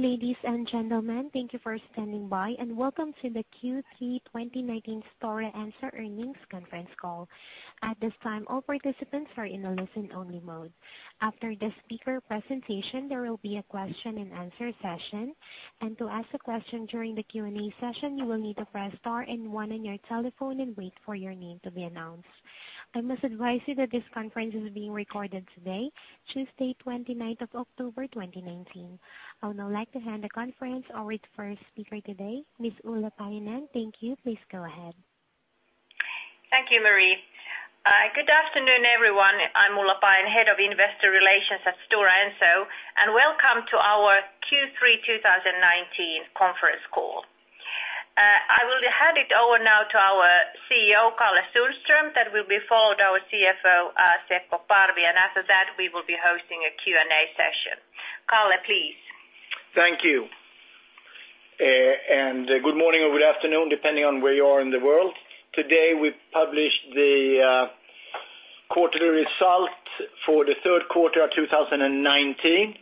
Ladies and gentlemen, thank you for standing by, and welcome to the Q3 2019 Stora Enso Earnings Conference Call. At this time, all participants are in a listen-only mode. After the speaker presentation, there will be a question and answer session. To ask a question during the Q&A session, you will need to press star and one on your telephone and wait for your name to be announced. I must advise you that this conference is being recorded today, Tuesday 29th of October 2019. I would now like to hand the conference over to our speaker today, Ms. Ulla Paajanen. Thank you. Please go ahead. Thank you, Marie. Good afternoon, everyone. I'm Ulla Paajanen, Head of Investor Relations at Stora Enso, and welcome to our Q3 2019 conference call. I will hand it over now to our CEO, Karl-Henrik Sundström, that will be followed by our CFO, Seppo Parvi, and after that, we will be hosting a Q&A session. Kalle, please. Thank you. Good morning or good afternoon, depending on where you are in the world. Today, we published the quarterly result for the third quarter of 2019.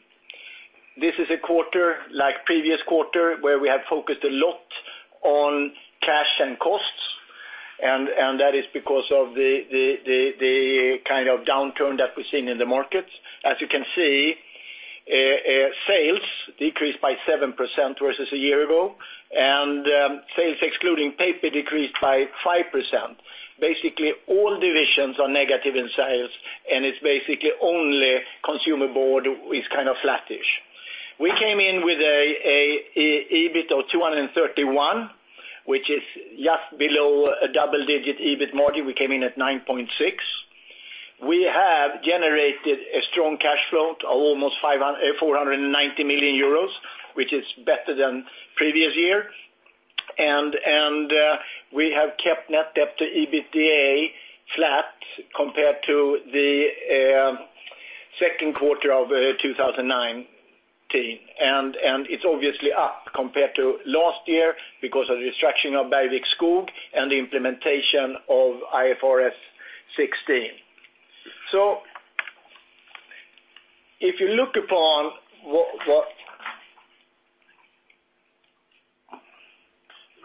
This is a quarter, like previous quarter, where we have focused a lot on cash and costs, and that is because of the downturn that we're seeing in the markets. As you can see, sales decreased by 7% versus a year ago, and sales excluding paper decreased by 5%. Basically, all divisions are negative in sales, and it's basically only consumer board is flattish. We came in with an EBIT of 231, which is just below a double-digit EBIT margin. We came in at 9.6. We have generated a strong cash flow to almost 490 million euros, which is better than previous year. We have kept net debt to EBITDA flat compared to the second quarter of 2019. It's obviously up compared to last year because of the restructuring of Bergvik Skog and the implementation of IFRS 16. If you look upon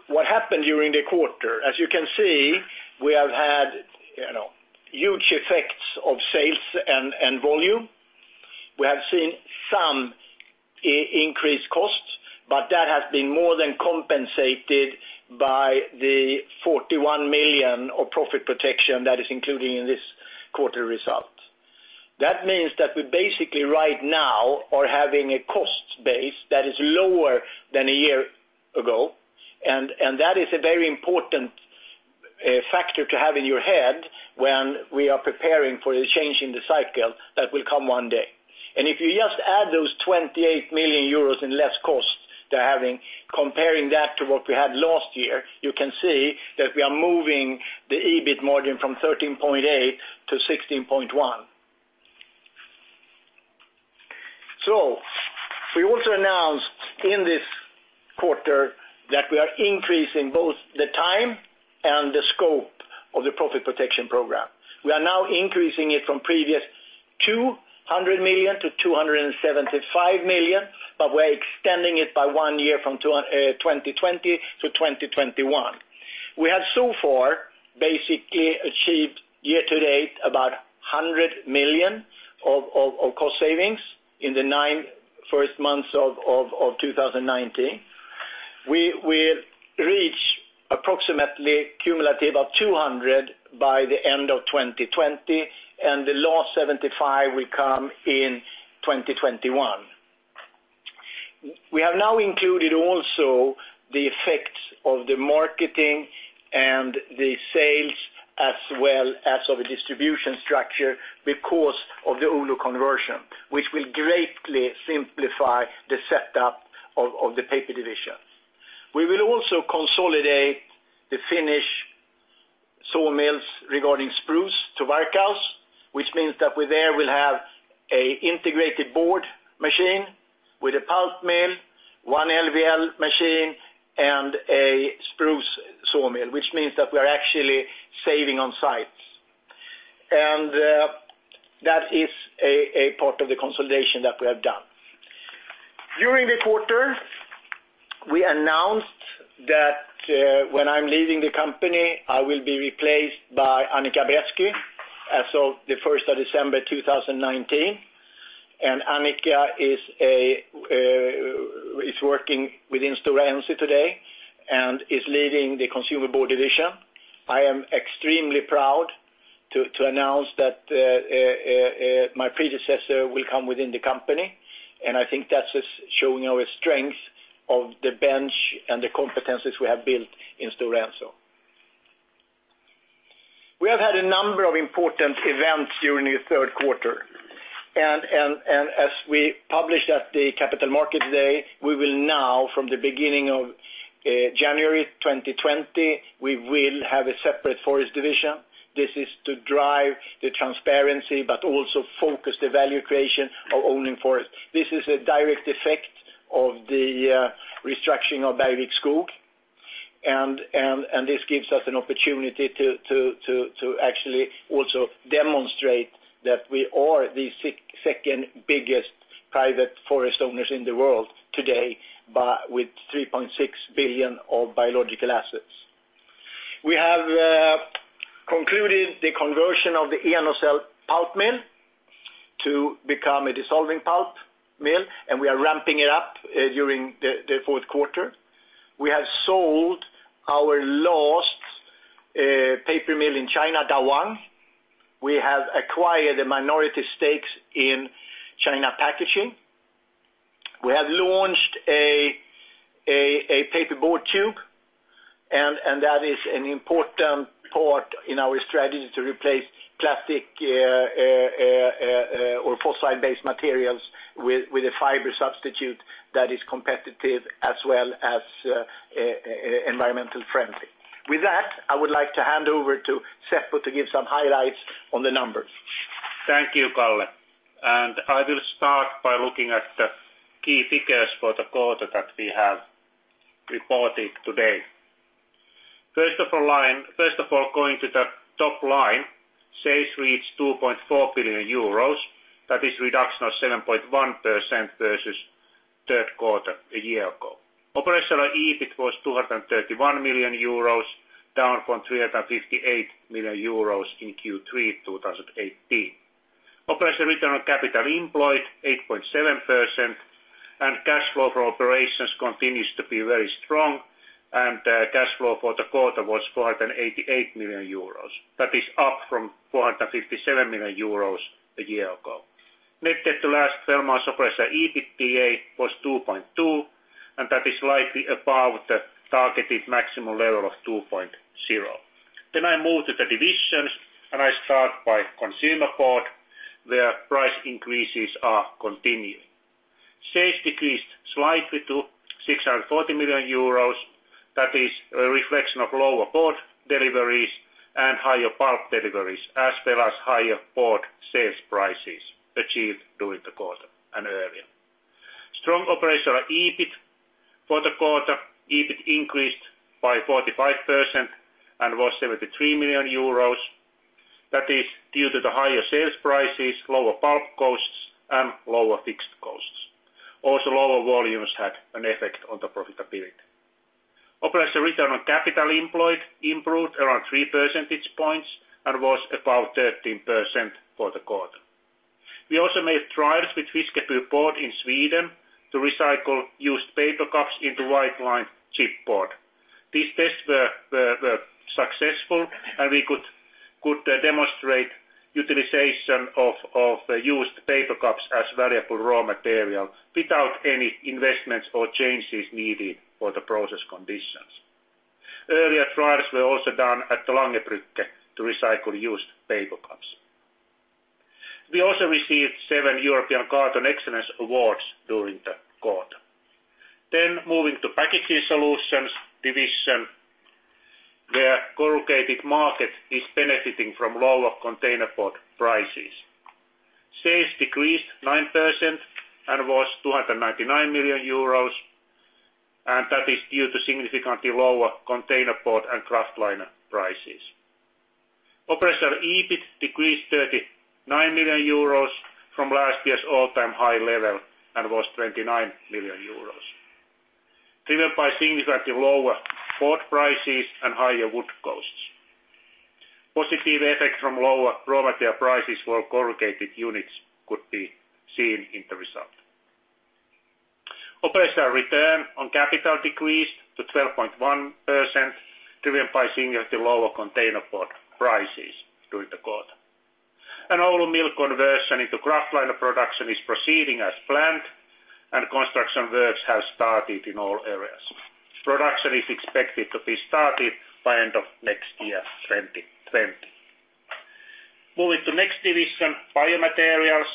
what happened during the quarter, as you can see, we have had huge effects of sales and volume. We have seen some increased costs, but that has been more than compensated by the 41 million of profit protection that is included in this quarterly result. That means that we basically right now are having a cost base that is lower than a year ago, and that is a very important factor to have in your head when we are preparing for the change in the cycle that will come one day. If you just add those 28 million euros in less costs to having, comparing that to what we had last year, you can see that we are moving the EBIT margin from 13.8% to 16.1%. We also announced in this quarter that we are increasing both the time and the scope of the Profit Protection Programme. We are now increasing it from previous 200 million to 275 million, but we're extending it by one year from 2020 to 2021. We have so far basically achieved year to date about 100 million of cost savings in the nine first months of 2019. We will reach approximately cumulative of 200 million by the end of 2020, and the last 75 million will come in 2021. We have now included also the effects of the marketing and the sales as well as of a distribution structure because of the Oulu conversion, which will greatly simplify the setup of the paper division. We will also consolidate the Finnish sawmills regarding spruce to Varkaus, which means that there we'll have an integrated board machine with a pulp mill, one LVL machine, and a spruce sawmill, which means that we're actually saving on sites. That is a part of the consolidation that we have done. During the quarter, we announced that when I'm leaving the company, I will be replaced by Annica Bresky as of the 1st of December 2019. Annica is working within Stora Enso today and is leading the consumer board division. I am extremely proud to announce that my predecessor will come within the company, and I think that is showing our strength of the bench and the competencies we have built in Stora Enso. We have had a number of important events during the third quarter, and as we published at the Capital Market Day, we will now from the beginning of January 2020, we will have a separate forest division. This is to drive the transparency, but also focus the value creation of owning forest. This is a direct effect of the restructuring of Bergvik Skog. This gives us an opportunity to actually also demonstrate that we are the second biggest private forest owners in the world today, with 3.6 billion of biological assets. We have concluded the conversion of the Imatra pulp mill to become a dissolving pulp mill, and we are ramping it up during the fourth quarter. We have sold our last paper mill in China, Dawang. We have acquired the minority stakes in China Packaging. That is an important part in our strategy to replace plastic or fossil-based materials with a fiber substitute that is competitive as well as environmental friendly. With that, I would like to hand over to Seppo to give some highlights on the numbers. Thank you, Kalle. I will start by looking at the key figures for the quarter that we have reported today. First of all, going to the top line, sales reached 2.4 billion euros. That is reduction of 7.1% versus third quarter a year ago. Operational EBIT was 231 million euros, down from 358 million euros in Q3 2018. Operational return on capital employed, 8.7%. Cash flow from operations continues to be very strong, and cash flow for the quarter was 488 million euros. That is up from 457 million euros a year ago. Net debt to last 12 months operational EBITDA was 2.2, and that is slightly above the targeted maximum level of 2.0. I move to the divisions, and I start by Consumer Board, where price increases are continuing. Sales decreased slightly to 640 million euros. That is a reflection of lower board deliveries and higher pulp deliveries, as well as higher board sales prices achieved during the quarter and earlier. Strong operational EBIT for the quarter. EBIT increased by 45% and was EUR 73 million. That is due to the higher sales prices, lower pulp costs, and lower fixed costs. Also, lower volumes had an effect on the profitability. Operational return on capital employed improved around 3 percentage points and was about 13% for the quarter. We also made trials with Fiskeby board in Sweden to recycle used paper cups into white-lined chipboard. These tests were successful, and we could demonstrate utilization of used paper cups as valuable raw material without any investments or changes needed for the process conditions. Earlier trials were also done at the Langerbrugge to recycle used paper cups. We also received seven European Carton Excellence Awards during the quarter. Moving to Packaging Solutions division, where corrugated market is benefiting from lower containerboard prices. Sales decreased 9% and was 299 million euros, that is due to significantly lower containerboard and kraftliner prices. Operational EBIT decreased 39 million euros from last year's all-time high level and was 29 million euros, driven by significantly lower containerboard prices and higher wood costs. Positive effects from lower raw material prices for our corrugated units could be seen in the result. Operational return on capital decreased to 12.1%, driven by significantly lower containerboard prices during the quarter. Oulu mill conversion into kraftliner production is proceeding as planned, and construction works have started in all areas. Production is expected to be started by end of next year, 2020. Next division, Biomaterials,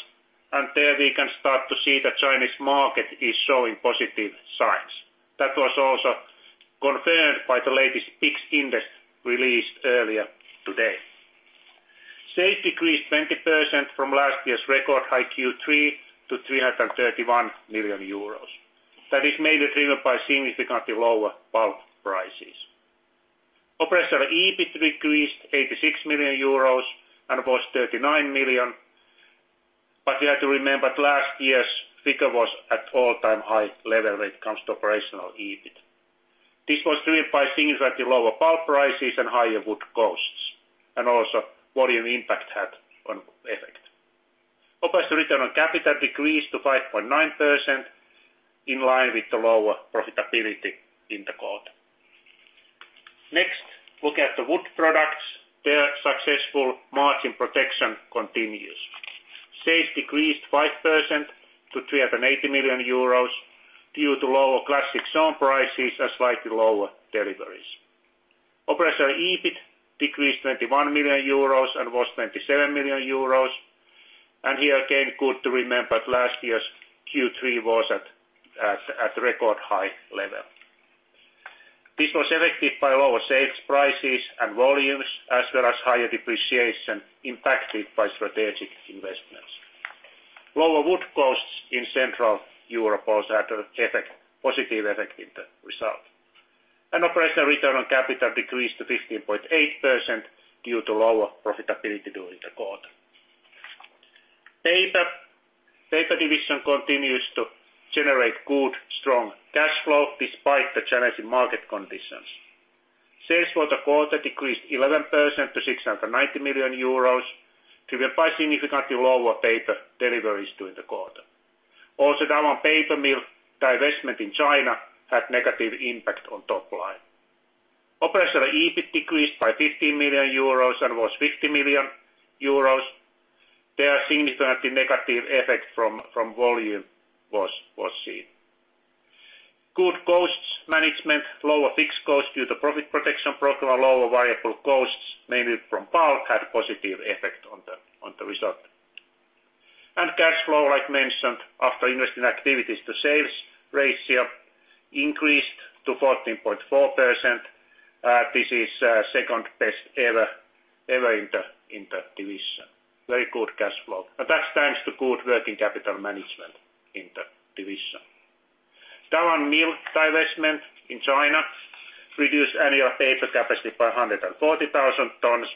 there we can start to see the Chinese market is showing positive signs. That was also confirmed by the latest PIX index released earlier today. That is mainly driven by significantly lower pulp prices. Sales decreased 20% from last year's record high Q3 to 331 million euros. Operational EBIT decreased 86 million euros and was 39 million. You have to remember that last year's figure was at all-time high level when it comes to operational EBIT. This was driven by significantly lower pulp prices and higher wood costs, and also volume impact had an effect. Operational return on capital decreased to 5.9%, in line with the lower profitability in the quarter. Next, look at the Wood Products. Their successful margin protection continues. Sales decreased 5% to 380 million euros due to lower classic sawn prices and slightly lower deliveries. Operational EBIT decreased 21 million euros and was 27 million euros. Here again, good to remember that last year's Q3 was at a record-high level. This was affected by lower sales prices and volumes, as well as higher depreciation impacted by strategic investments. Lower wood costs in Central Europe also had a positive effect in the result. Operational return on capital decreased to 15.8% due to lower profitability during the quarter. Paper Division continues to generate good, strong cash flow despite the challenging market conditions. Sales for the quarter decreased 11% to 690 million euros, driven by significantly lower paper deliveries during the quarter. Dawang Paper Mill divestment in China had negative impact on top line. Operational EBIT decreased by 15 million euros and was 50 million euros. There are significantly negative effect from volume was seen. Good costs management, lower fixed costs due to Profit Protection Programme, lower variable costs, mainly from pulp, had positive effect on the result. Cash flow, like mentioned, after investing activities to sales ratio increased to 14.4%. This is second best ever in the division. Very good cash flow. That's thanks to good working capital management in the division. Dawang mill divestment in China reduced annual paper capacity by 140,000 tons.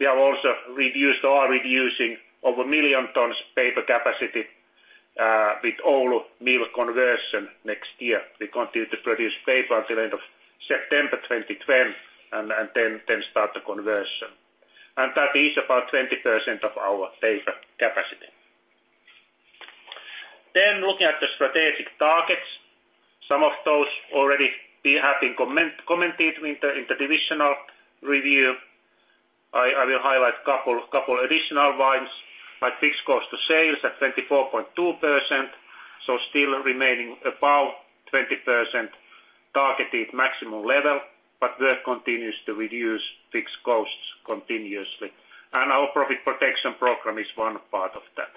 We have also reduced or are reducing over 1 million tons paper capacity with Oulu mill conversion next year. We continue to produce paper until end of September 2020, and then start the conversion. That is about 20% of our paper capacity. Looking at the strategic targets, some of those already have been commented in the divisional review. I will highlight a couple additional ones, like fixed cost to sales at 24.2%, still remaining above 20% targeted maximum level, work continues to reduce fixed costs continuously. Our Profit Protection Programme is one part of that.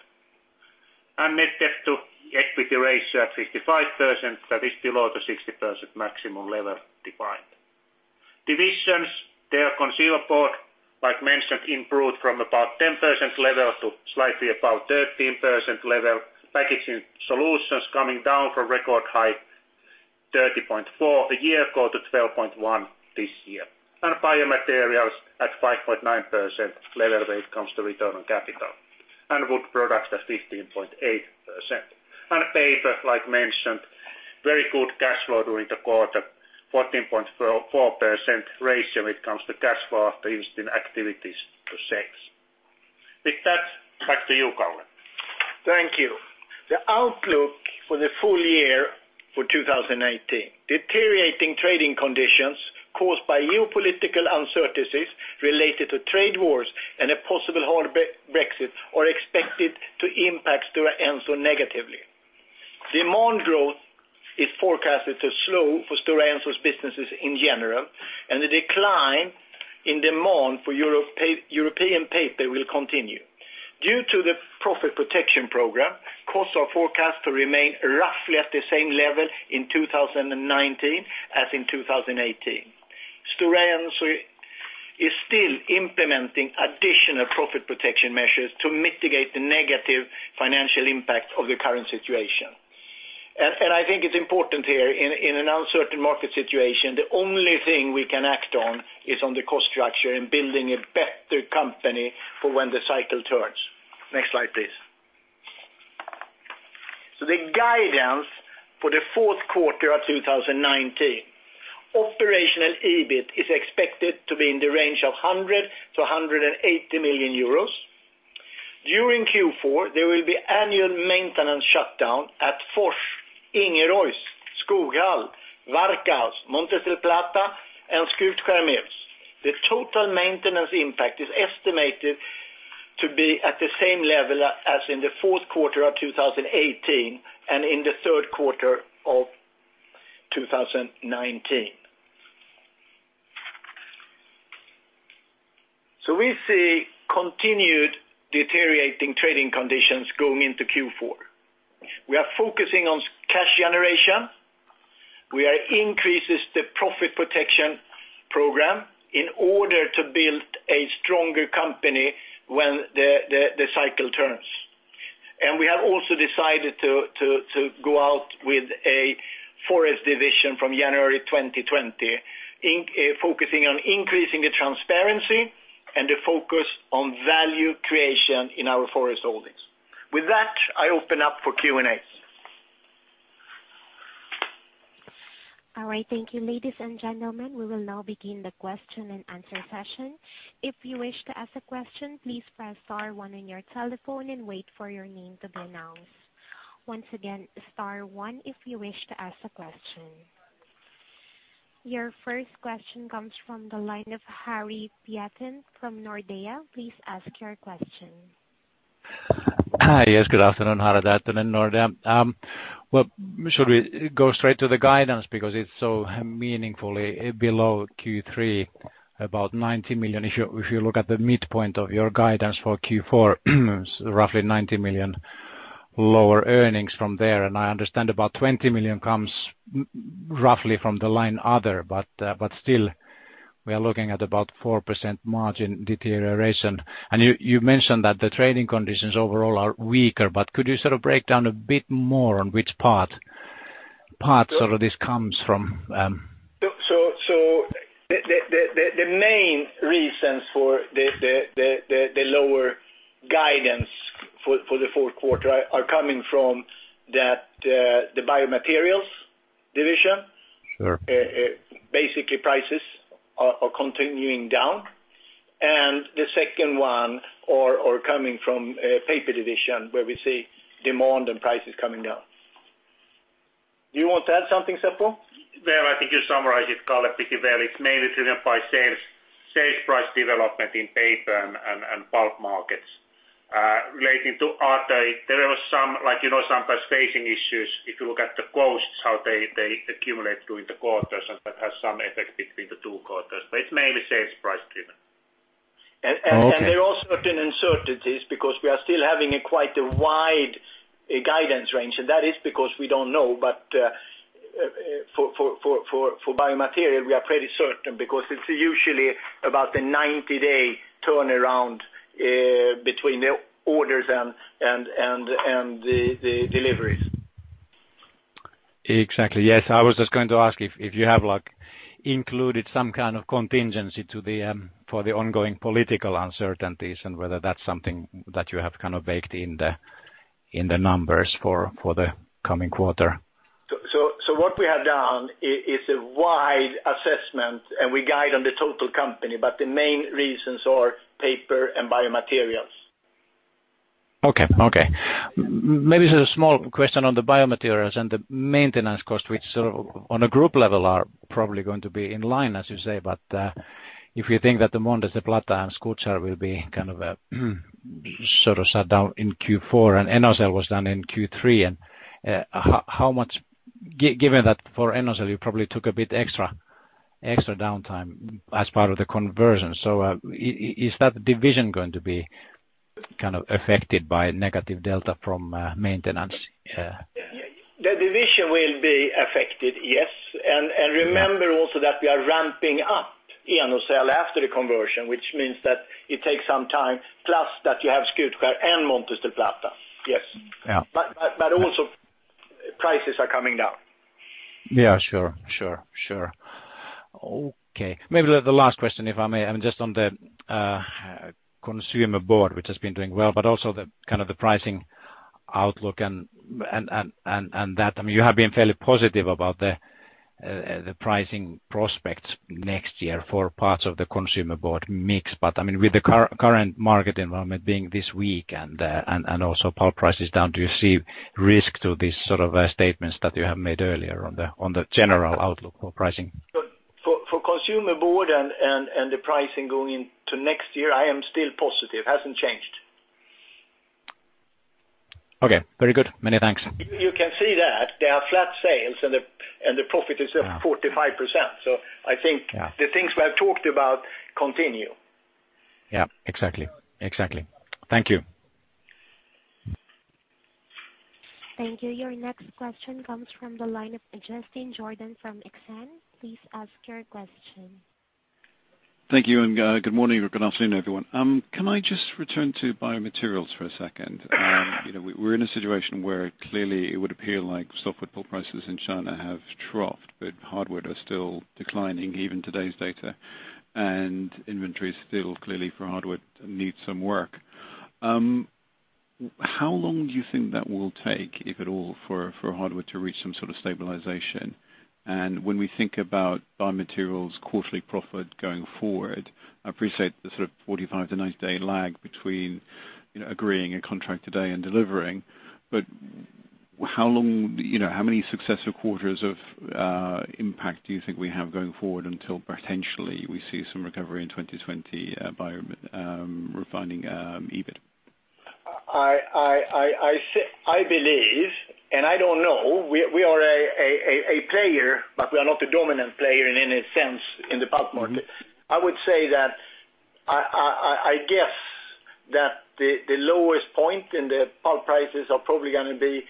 Net debt to equity ratio at 55%, that is below the 60% maximum level defined. Divisions, their consumer board, like mentioned, improved from about 10% level to slightly above 13% level. Packaging Solutions coming down from record high 30.4% the year before to 12.1% this year. Biomaterials at 5.9% level when it comes to return on capital. Wood Products at 15.8%. Paper, like mentioned, very good cash flow during the quarter, 14.4% ratio when it comes to cash flow after investing activities to sales. With that, back to you, Karl. Thank you. The outlook for the full year for 2019. Deteriorating trading conditions caused by geopolitical uncertainties related to trade wars and a possible hard Brexit are expected to impact Stora Enso negatively. Demand growth is forecasted to slow for Stora Enso's businesses in general, and the decline in demand for European paper will continue. Due to the Profit Protection Programme, costs are forecast to remain roughly at the same level in 2019 as in 2018. Stora Enso is still implementing additional profit protection measures to mitigate the negative financial impact of the current situation. I think it's important here in an uncertain market situation, the only thing we can act on is on the cost structure and building a better company for when the cycle turns. Next slide, please. The guidance for the fourth quarter of 2019. Operational EBIT is expected to be in the range of 100 million-180 million euros. During Q4, there will be annual maintenance shutdown at Fors, Ingerois, Skoghall, Varkaus, Montes del Plata, and Skutskär mills. The total maintenance impact is estimated to be at the same level as in the fourth quarter of 2018 and in the third quarter of 2019. We see continued deteriorating trading conditions going into Q4. We are focusing on cash generation. We are increases the Profit Protection Programme in order to build a stronger company when the cycle turns. We have also decided to go out with a Forest Division from January 2020, focusing on increasing the transparency and the focus on value creation in our forest holdings. With that, I open up for Q&A. All right. Thank you. Ladies and gentlemen, we will now begin the question and answer session. If you wish to ask a question, please press star one on your telephone and wait for your name to be announced. Once again, star one if you wish to ask a question. Your first question comes from the line of Harri Taittonen from Nordea. Please ask your question. Hi, yes. Good afternoon. Harri Taittonen, Nordea. Should we go straight to the guidance because it's so meaningfully below Q3, about 90 million. If you look at the midpoint of your guidance for Q4, roughly 90 million lower earnings from there, I understand about 20 million comes roughly from the line other. Still we are looking at about 4% margin deterioration. You mentioned that the trading conditions overall are weaker, could you break down a bit more on which parts this comes from? The main reasons for the lower guidance for the fourth quarter are coming from the Biomaterials division. Sure. Basically, prices are continuing down. The second one are coming from Paper Division, where we see demand and prices coming down. You want to add something, Seppo? Well, I think you summarized it, Kalle, pretty well. It's mainly driven by sales price development in paper and pulp markets. Relating to [Artay], there was some phase spacing issues. If you look at the costs, how they accumulate during the quarters, and that has some effect between the two quarters. It's mainly sales price driven. Okay. There are certain uncertainties, because we are still having quite a wide guidance range. That is because we don't know, but for Biomaterials, we are pretty certain, because it's usually about a 90-day turnaround between the orders and the deliveries. Exactly. Yes. I was just going to ask if you have included some kind of contingency for the ongoing political uncertainties, and whether that is something that you have baked in the numbers for the coming quarter. What we have done, it's a wide assessment, and we guide on the total company. The main reasons are paper and Biomaterials. Okay. Maybe just a small question on the Biomaterials and the maintenance cost, which on a group level are probably going to be in line, as you say. If you think that the Montes del Plata and Skutskär will be sort of shut down in Q4, and Enocell was down in Q3. Given that for Enocell, you probably took a bit extra downtime as part of the conversion. Is that division going to be affected by negative delta from maintenance? The division will be affected, yes. Remember also that we are ramping up Enocell after the conversion, which means that it takes some time, plus that you have Skutskär and Montes del Plata. Yes. Yeah. Also, prices are coming down. Yeah, sure. Okay. Maybe the last question, if I may. Just on the consumer board, which has been doing well, also the pricing outlook and that. You have been fairly positive about the pricing prospects next year for parts of the consumer board mix. With the current market environment being this weak and also pulp price is down, do you see risk to these sort of statements that you have made earlier on the general outlook for pricing? For consumer board and the pricing going into next year, I am still positive. Hasn't changed. Okay. Very good. Many thanks. You can see that they are flat sales, and the profit is up 45%. I think the things we have talked about continue. Yeah, exactly. Thank you. Thank you. Your next question comes from the line of Justin Jordan from Exane. Please ask your question. Thank you, and good morning or good afternoon, everyone. Can I just return to Biomaterials for a second? We're in a situation where clearly it would appear like softwood pulp prices in China have troughed, but hardwood are still declining, even today's data. Inventory is still clearly for hardwood, needs some work. How long do you think that will take, if at all, for hardwood to reach some sort of stabilization? When we think about Biomaterials quarterly profit going forward, I appreciate the sort of 45 to 90-day lag between agreeing a contract today and delivering, but how many successive quarters of impact do you think we have going forward until potentially we see some recovery in 2020 refining EBIT? I believe, and I don't know, we are a player, but we are not a dominant player in any sense in the pulp market. I would say that I guess that the lowest point in the pulp prices are probably going to be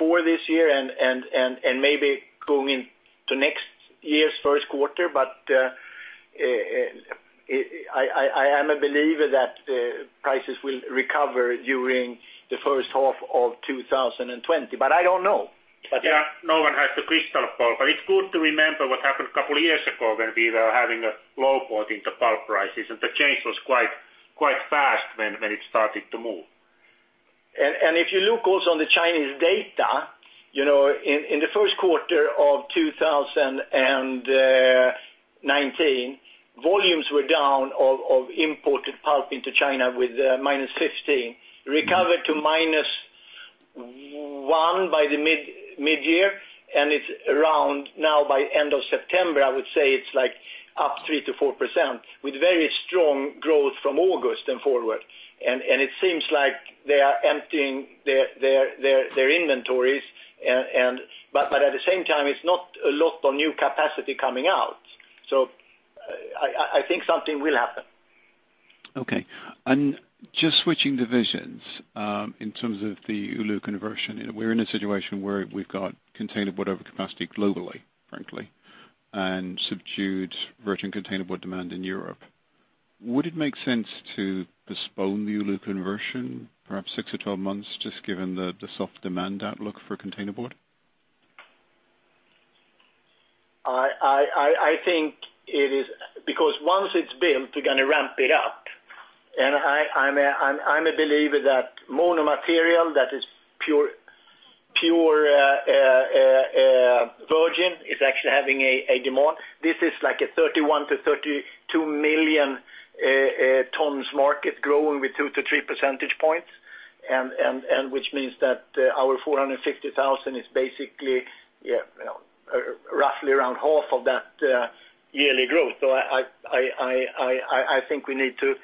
Q4 this year and maybe going into next year's first quarter. I am a believer that prices will recover during the first half of 2020, but I don't know. Yeah, no one has a crystal ball. It's good to remember what happened a couple of years ago when we were having a low point in the pulp prices, and the change was quite fast when it started to move. If you look also on the Chinese data, in the first quarter of 2019, volumes were down of imported pulp into China with -15%. It recovered to -1% by the mid-year. It's around now by end of September, I would say it's up 3%-4%, with very strong growth from August and forward. It seems like they are emptying their inventories, but at the same time, it's not a lot of new capacity coming out. I think something will happen. Okay. Just switching divisions, in terms of the Oulu conversion, we're in a situation where we've got containerboard overcapacity globally, frankly, and subdued virgin containerboard demand in Europe. Would it make sense to postpone the Oulu conversion perhaps six or 12 months, just given the soft demand outlook for containerboard? I think because once it's built, we're going to ramp it up. I'm a believer that mono material that is pure virgin is actually having a demand. This is like a 31 million-32 million tons market growing with 2 to 3 percentage points, which means that our 450,000 is basically roughly around half of that yearly growth. I think we need to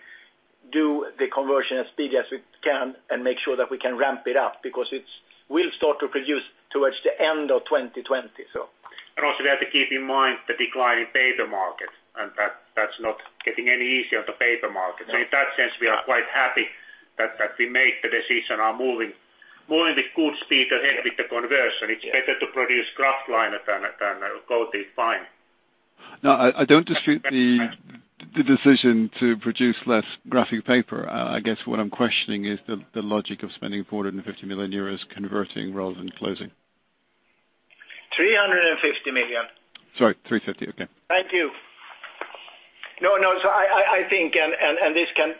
do the conversion as quickly as we can and make sure that we can ramp it up, because it will start to produce towards the end of 2020. Also, we have to keep in mind the decline in paper market, and that's not getting any easier on the paper market. In that sense, we are quite happy that we made the decision on moving with good speed ahead with the conversion. It's better to produce kraftliner than coated fine. No, I don't dispute the decision to produce less graphic paper. I guess what I'm questioning is the logic of spending 450 million euros converting rather than closing. 350 million. Sorry, 350 million. Okay. Thank you. No, I think, and this can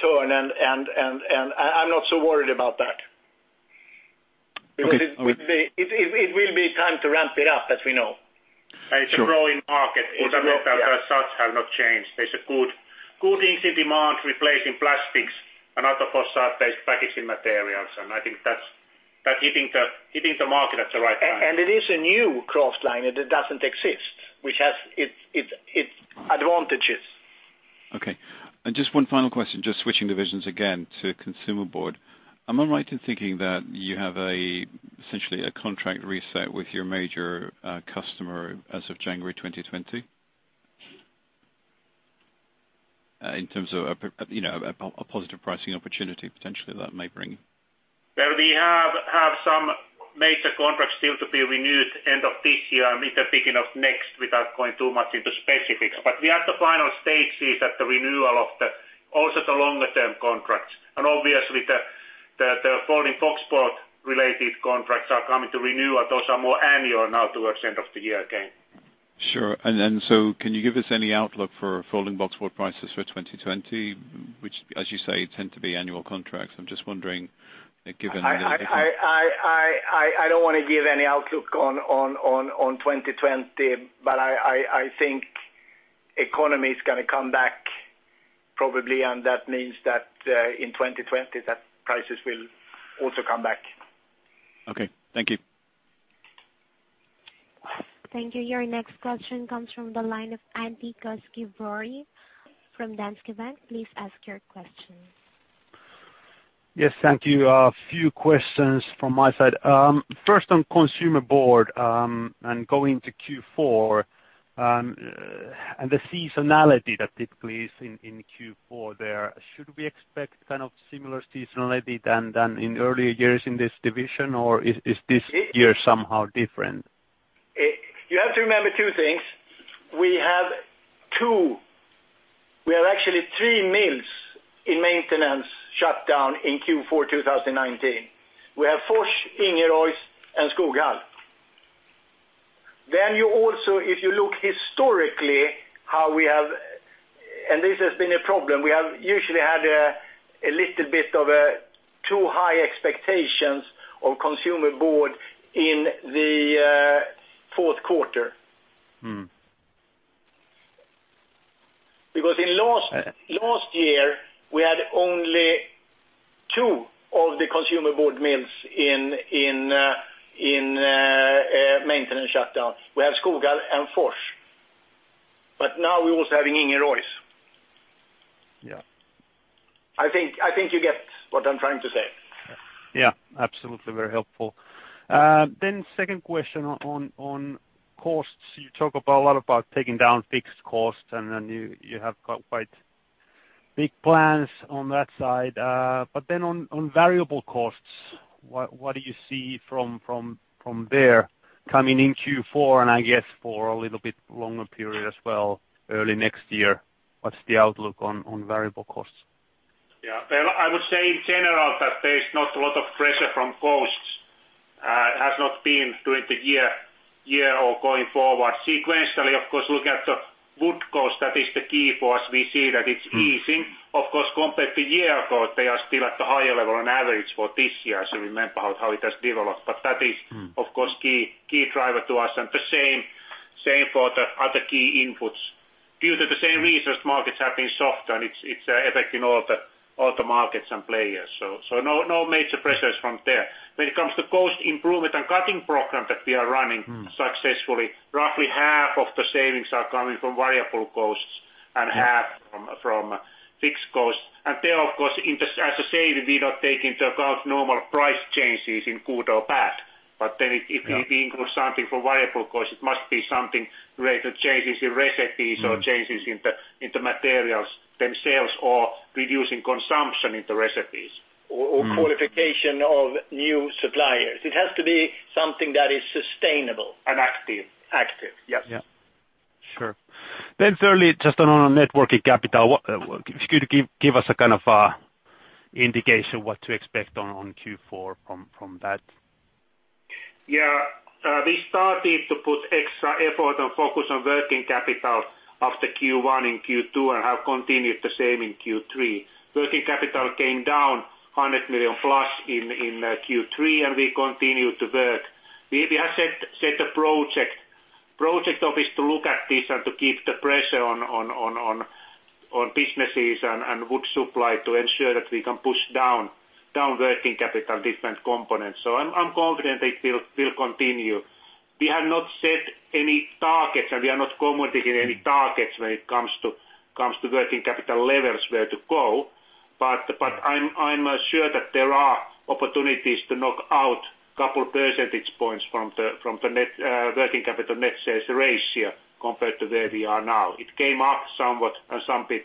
turn, and I'm not so worried about that. It will be time to ramp it up, as we know. It's a growing market. The outlook as such have not changed. There's a good in-situ demand replacing plastics and other fossil-based packaging materials, and I think that's hitting the market at the right time. It is a new kraftliner that doesn't exist, which has its advantages. Okay. Just one final question, just switching divisions again to consumer board. Am I right in thinking that you have essentially a contract reset with your major customer as of January 2020, in terms of a positive pricing opportunity, potentially, that may bring? Well, we have had some major contracts still to be renewed end of this year and into beginning of next, without going too much into specifics. We are at the final stages at the renewal of also the longer-term contracts. Obviously the folding boxboard related contracts are coming to renew, those are more annual now towards the end of the year again. Sure. Can you give us any outlook for folding boxboard prices for 2020? Which as you say, tend to be annual contracts. I don't want to give any outlook on 2020, but I think economy is going to come back probably, and that means that in 2020, that prices will also come back. Okay. Thank you. Thank you. Your next question comes from the line of Antti Koski-Väänänen from Danske Bank. Please ask your question. Yes, thank you. A few questions from my side. First, on consumer board, and going to Q4, and the seasonality that typically is in Q4 there, should we expect kind of similar seasonality than in earlier years in this division? Is this year somehow different? You have to remember two things. We have actually three mills in maintenance shutdown in Q4 2019. We have Fors, Ingerois, and Skoghall. You also, if you look historically, and this has been a problem, we have usually had a little bit of a too high expectations of consumer board in the fourth quarter. In last year, we had only two of the consumer board mills in maintenance shutdown. We have Skoghall and Fors. Now we're also having Ingerois. Yeah. I think you get what I'm trying to say. Yeah, absolutely. Very helpful. Second question on costs. You talk a lot about taking down fixed costs, and you have quite big plans on that side. On variable costs, what do you see from there coming in Q4 and I guess for a little bit longer period as well, early next year? What's the outlook on variable costs? Yeah. I would say in general that there is not a lot of pressure from costs. It has not been during the year or going forward. Sequentially, of course, looking at the wood cost, that is the key for us. We see that it's easing. Of course, compared to a year ago, they are still at a higher level on average for this year. Remember how it has developed, but that is, of course, key driver to us and the same for the other key inputs. Due to the same reasons markets have been softer, and it's affecting all the markets and players. No major pressures from there. When it comes to cost improvement and cutting program that we are running successfully, roughly half of the savings are coming from variable costs and half from fixed costs. There of course, as I say, we did not take into account normal price changes in good or bad. Yeah We include something for variable cost, it must be something related to changes in recipes or changes in the materials themselves, or reducing consumption in the recipes. Qualification of new suppliers. It has to be something that is sustainable and active. Active, yes. Yeah. Sure. Thirdly, just on our networking capital, could you give us a kind of indication what to expect on Q4 from that? We started to put extra effort on focus on working capital after Q1 and Q2, and have continued the same in Q3. Working capital came down 100 million plus in Q3, and we continue to work. We have set a project office to look at this and to keep the pressure on businesses and wood supply to ensure that we can push down working capital, different components. I'm confident it will continue. We have not set any targets, and we are not committing any targets when it comes to working capital levels, where to go. I'm sure that there are opportunities to knock out a couple percentage points from the working capital net sales ratio compared to where we are now. It came up somewhat, a bit,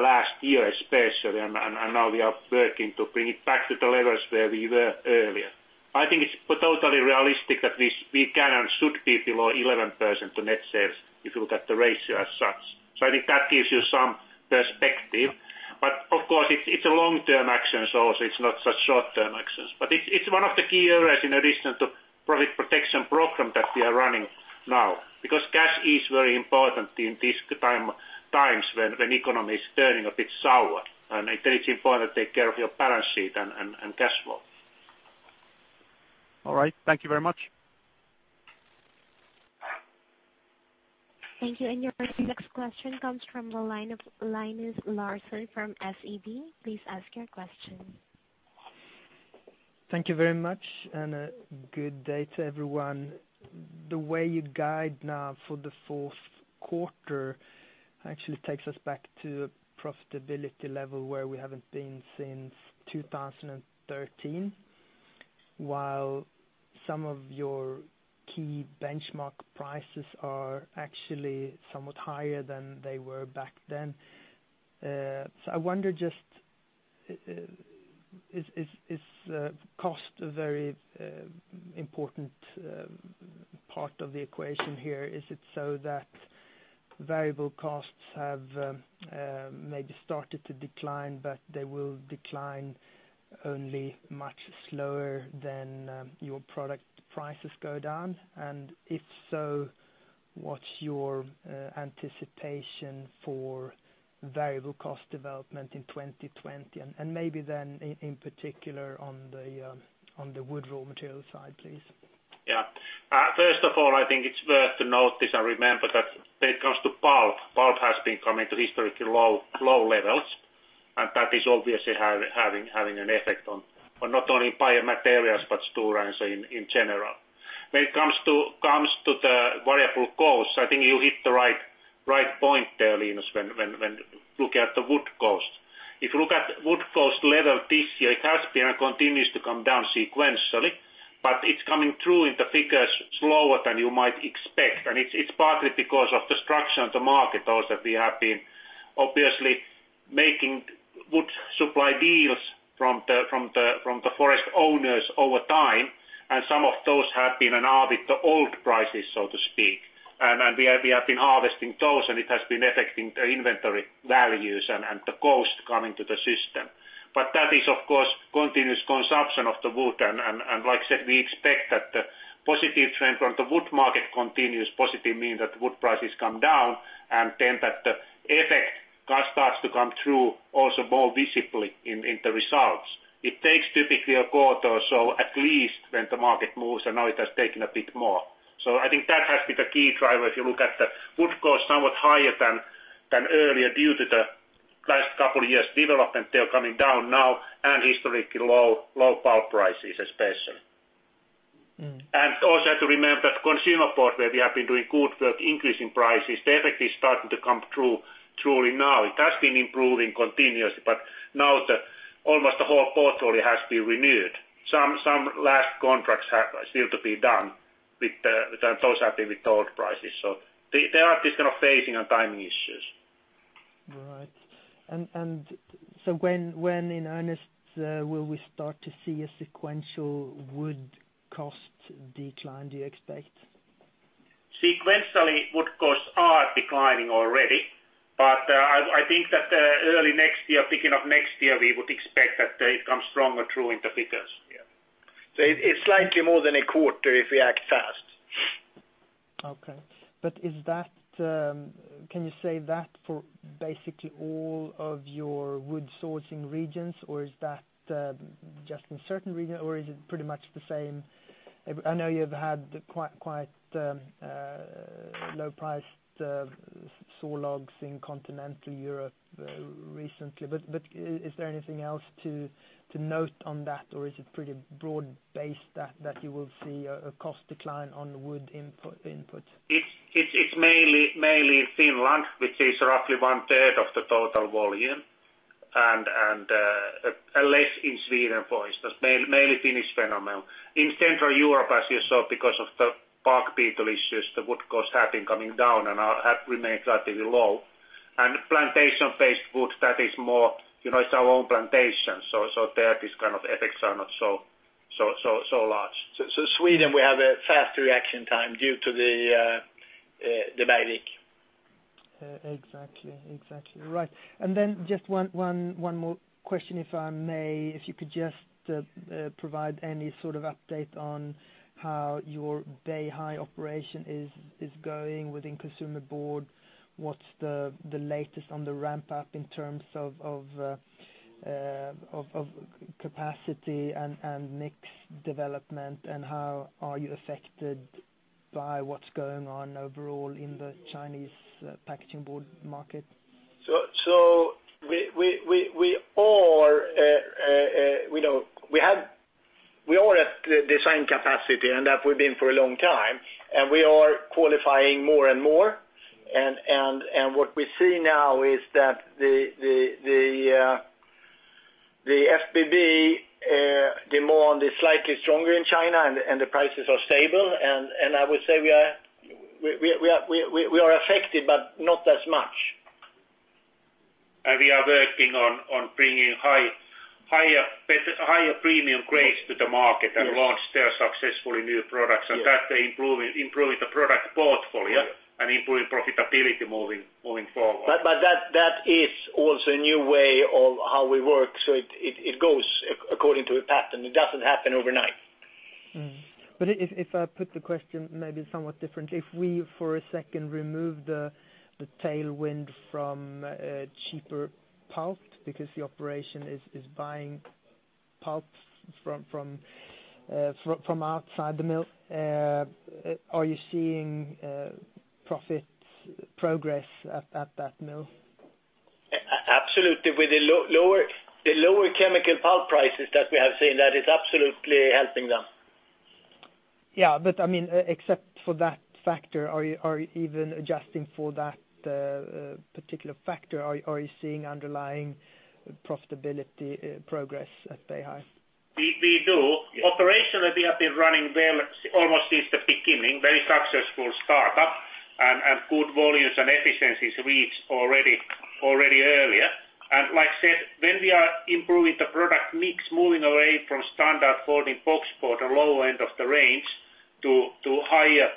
last year especially. Now we are working to bring it back to the levels where we were earlier. I think it's totally realistic that we can and should be below 11% to net sales if you look at the ratio as such. I think that gives you some perspective. Of course, it's a long-term action also. It's not such short-term actions. It's one of the key areas in addition to product protection program that we are running now. Cash is very important in these times when economy is turning a bit sour, and it is important to take care of your balance sheet and cash flow. All right. Thank you very much. Thank you. Your next question comes from the line of Linus Larsson from SEB. Please ask your question. Thank you very much, a good day to everyone. The way you guide now for the fourth quarter actually takes us back to a profitability level where we haven't been since 2013, while some of your key benchmark prices are actually somewhat higher than they were back then. I wonder just, is cost a very important part of the equation here? Is it so that variable costs have maybe started to decline, but they will decline only much slower than your product prices go down? If so, what's your anticipation for variable cost development in 2020? Maybe then in particular, on the wood raw material side, please. Yeah. First of all, I think it's worth to notice and remember that when it comes to pulp has been coming to historically low levels, and that is obviously having an effect on not only Biomaterials, but Stora Enso in general. When it comes to the variable costs, I think you hit the right point there, Linus, when looking at the wood costs. If you look at wood cost level this year, it has been and continues to come down sequentially, but it's coming through in the figures slower than you might expect. It's partly because of the structure of the market also, we have been obviously making wood supply deals from the forest owners over time, and some of those have been and are with the old prices, so to speak. We have been harvesting those. It has been affecting the inventory values and the cost coming to the system. That is, of course, continuous consumption of the wood. Like I said, we expect that the positive trend from the wood market continues. Positive mean that wood prices come down. That the effect starts to come through also more visibly in the results. It takes typically a quarter or so at least when the market moves, and now it has taken a bit more. I think that has been the key driver, if you look at the wood cost, somewhat higher than earlier due to the last couple of years' development. They're coming down now and historically low pulp prices especially. Also have to remember the consumer part, where we have been doing good work increasing prices. The effect is starting to come through now. It has been improving continuously, but now almost the whole portfolio has been renewed. Some last contracts have still to be done, and those have been with old prices. There are these kind of phasing and timing issues. Right. When, in earnest, will we start to see a sequential wood cost decline, do you expect? Sequentially, wood costs are declining already. I think that early next year, beginning of next year, we would expect that it comes stronger through in the figures. Yeah. It's likely more than a quarter if we act fast. Okay. Can you say that for basically all of your wood sourcing regions, or is that just in certain region, or is it pretty much the same? I know you've had quite low-priced saw logs in Continental Europe recently, is there anything else to note on that, or is it pretty broad-based that you will see a cost decline on wood input? It's mainly Finland, which is roughly one third of the total volume. Less in Sweden, for instance, mainly Finnish phenomenon. In Central Europe, as you saw, because of the bark beetle issues, the wood costs have been coming down and have remained relatively low. Plantation-based wood, that is our own plantation, there this kind of effects are not so large. Sweden, we have a fast reaction time due to the Bergvik. Exactly. Right. Then just one more question, if I may. If you could just provide any sort of update on how your Beihai operation is going within consumer board. What's the latest on the ramp-up in terms of capacity and mix development? How are you affected by what's going on overall in the Chinese packaging board market? We are at design capacity, and have we been for a long time, and we are qualifying more and more. What we see now is that the FBB demand is slightly stronger in China and the prices are stable. I would say we are affected, but not as much. We are working on bringing higher premium grades to the market and launch there successfully new products, and that they improving the product portfolio and improving profitability moving forward. That is also a new way of how we work. It goes according to a pattern. It doesn't happen overnight. Mm-hmm. If I put the question maybe somewhat differently. If we, for a second, remove the tailwind from cheaper pulp because the operation is buying pulp from outside the mill, are you seeing profit progress at that mill? Absolutely. The lower chemical pulp prices that we have seen, that is absolutely helping them. Yeah. Except for that factor, or even adjusting for that particular factor, are you seeing underlying profitability progress at Beihai? We do. Operationally, they have been running well almost since the beginning, very successful startup and good volumes and efficiencies reached already earlier. Like I said, when we are improving the product mix, moving away from standard folding boxboard, the low end of the range to higher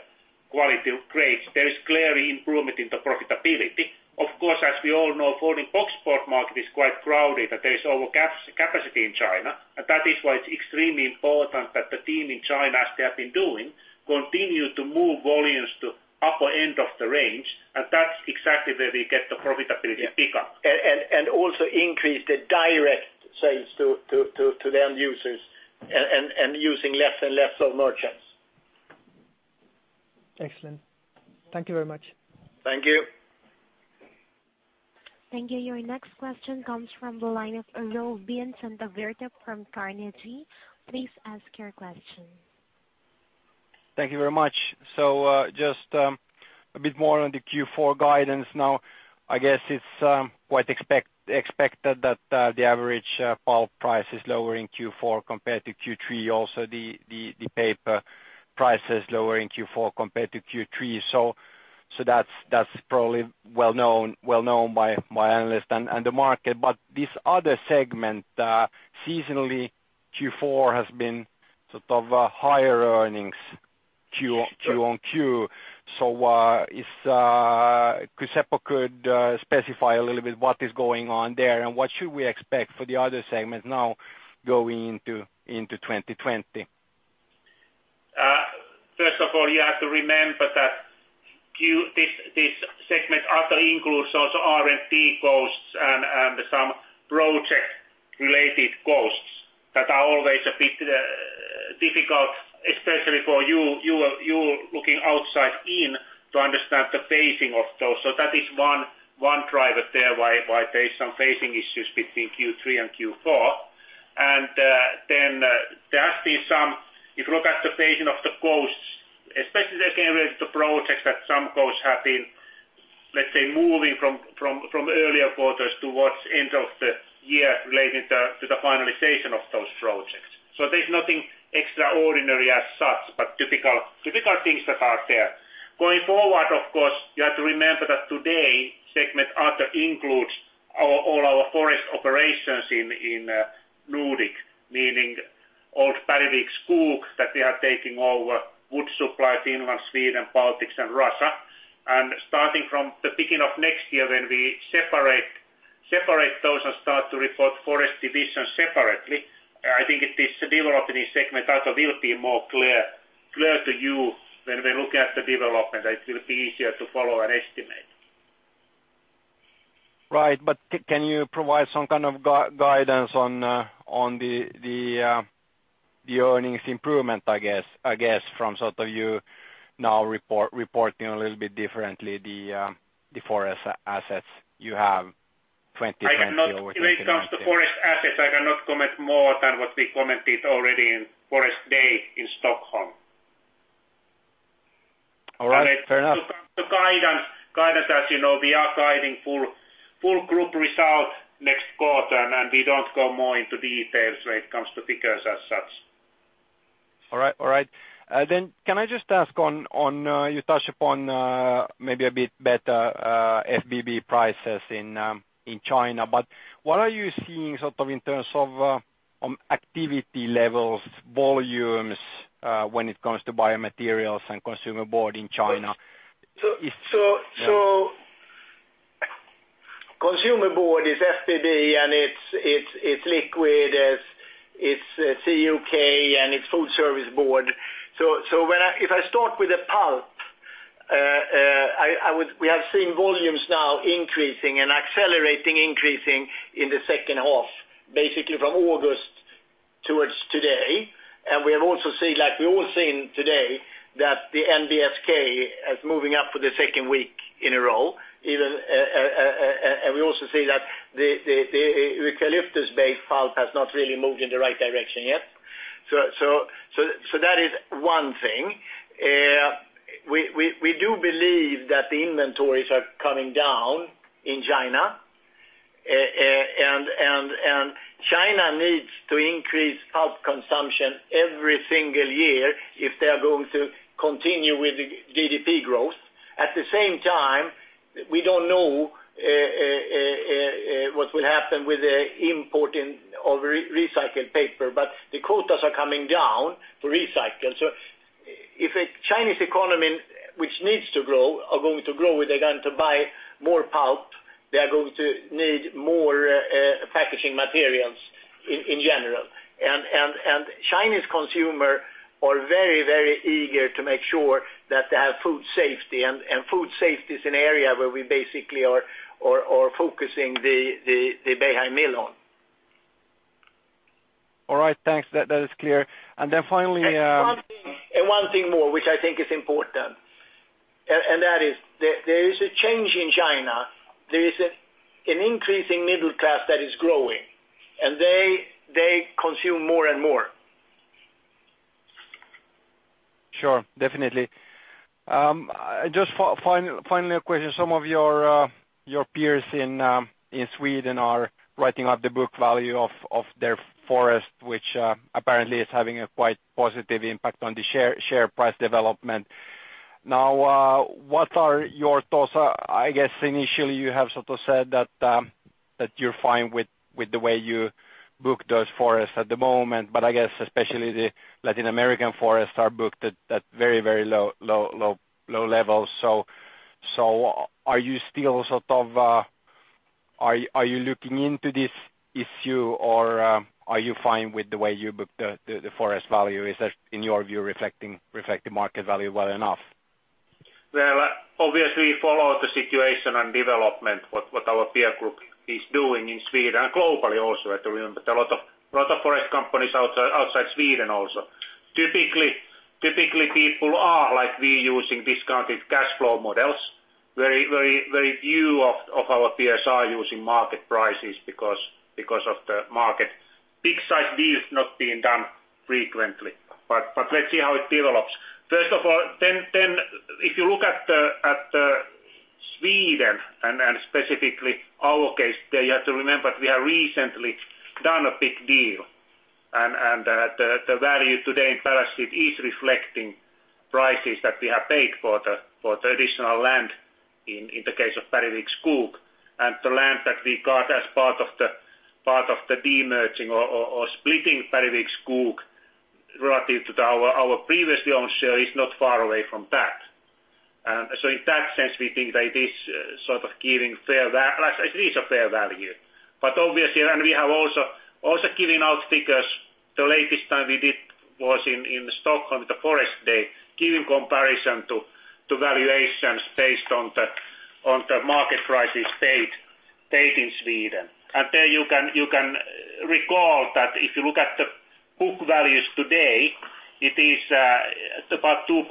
quality grades, there is clear improvement in the profitability. Of course, as we all know, folding boxboard market is quite crowded and there is overcapacity in China. That is why it's extremely important that the team in China, as they have been doing, continue to move volumes to upper end of the range. That's exactly where we get the profitability pickup. Also increase the direct sales to the end users and using less and less of merchants. Excellent. Thank you very much. Thank you. Thank you. Your next question comes from the line of from Carnegie. Please ask your question. Thank you very much. Just a bit more on the Q4 guidance now. I guess it's quite expected that the average pulp price is lower in Q4 compared to Q3. The paper price is lower in Q4 compared to Q3. That's probably well-known by analysts and the market. This other segment, seasonally Q4 has been sort of a higher earnings quarter-on-quarter. Sure. Kuisikko could specify a little bit what is going on there and what should we expect for the other segment now going into 2020? First of all, you have to remember that this segment also includes also R&D costs and some project-related costs that are always a bit difficult, especially for you looking outside in, to understand the phasing of those. That is one driver there why there is some phasing issues between Q3 and Q4. There has been some, if you look at the phasing of the costs, especially again with the projects that some costs have been, let's say, moving from earlier quarters towards end of the year relating to the finalization of those projects. There's nothing extraordinary as such, but typical things that are there. Going forward, of course, you have to remember that today, segment other includes all our forest operations in Nordic, meaning old Bergvik Skog, that we are taking over wood supply Finland, Sweden, Baltics and Russia. Starting from the beginning of next year, when we separate those and start to report forest division separately, I think this development in segment also will be more clear to you when we look at the development. It will be easier to follow and estimate. Right. Can you provide some kind of guidance on the earnings improvement, I guess, from sort of you now reporting a little bit differently the forest assets you have 2020 over 2019? When it comes to forest assets, I cannot comment more than what we commented already in Forest Day in Stockholm. All right. Fair enough. The guidance, as you know, we are guiding full group result next quarter. We don't go more into details when it comes to figures as such. All right. Can I just ask, you touched upon maybe a bit better FBB prices in China, but what are you seeing in terms of activity levels, volumes, when it comes to Biomaterials and consumer board in China? Consumer board is FBB, and it's liquid, it's CUK, and it's food service board. If I start with the pulp, we have seen volumes now increasing and accelerating, increasing in the second half, basically from August towards today. We have also seen, like we've all seen today that the NBSK is moving up for the second week in a row. We also see that the eucalyptus-based pulp has not really moved in the right direction yet. That is one thing. We do believe that the inventories are coming down in China, and China needs to increase pulp consumption every single year if they are going to continue with the GDP growth. At the same time, we don't know what will happen with the import of recycled paper, but the quotas are coming down for recycle. If a Chinese economy, which needs to grow, is going to grow, they're going to buy more pulp, they are going to need more packaging materials in general. Chinese consumers are very eager to make sure that they have food safety, and food safety is an area where we basically are focusing the Beihai Mill on. All right, thanks. That is clear. One thing more, which I think is important, and that is, there is a change in China. There is an increasing middle class that is growing, and they consume more and more. Sure. Definitely. Just final question. Some of your peers in Sweden are writing up the book value of their forest, which apparently is having a quite positive impact on the share price development. What are your thoughts? I guess initially you have sort of said that you're fine with the way you book those forests at the moment, I guess especially the Latin American forests are booked at very low levels. Are you looking into this issue or are you fine with the way you book the forest value? Is that, in your view, reflecting market value well enough? Well, obviously, we follow the situation and development, what our peer group is doing in Sweden and globally also. You have to remember there are a lot of forest companies outside Sweden also. Typically, people are, like we, using discounted cash flow models. Very few of our peers are using market prices because of the market. Big size deals not being done frequently. Let's see how it develops. First of all, then if you look at Sweden and specifically our case, you have to remember we have recently done a big deal, and the value today in balance sheet is reflecting prices that we have paid for the additional land in the case of Bergvik Skog. The land that we got as part of the demerging or splitting Bergvik Skog relative to our previously owned share is not far away from that. In that sense, we think that it is a fair value. Obviously, and we have also given out figures. The latest time we did was in Stockholm, the Forest and Wood Products Day, giving comparison to valuations based on the market prices paid in Sweden. There you can recall that if you look at the book values today, it is about 2.8